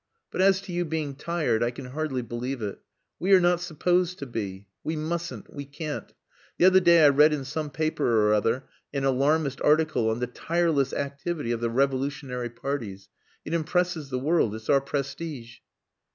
But as to you being tired I can hardly believe it. We are not supposed to be. We mustn't, We can't. The other day I read in some paper or other an alarmist article on the tireless activity of the revolutionary parties. It impresses the world. It's our prestige."